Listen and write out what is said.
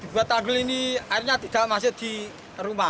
dibuat agel ini airnya tidak masuk di rumah